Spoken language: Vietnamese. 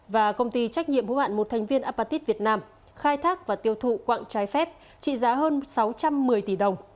và công ty trách nhiệm hữu hạn một thành viên apatit việt nam khai thác và tiêu thụ quạng trái phép trị giá hơn sáu trăm một mươi tỷ đồng